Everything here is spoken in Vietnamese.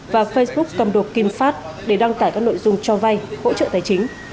và facebook cầm đồ kim phát để đăng tải các nội dung cho vay hỗ trợ tài chính